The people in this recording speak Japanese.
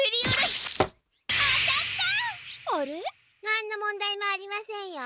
何の問題もありませんよ。